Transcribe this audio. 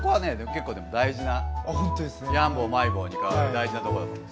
結構でも大事なヤンボールマイボールに変わる大事なとこだと思います。